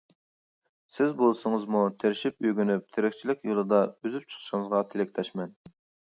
سىز بولسىڭىزمۇ تىرىشىپ ئۆگىنىپ تىرىكچىلىك يولىدا ئۈزۈپ چىقىشىڭىزغا تىلەكداشمەن.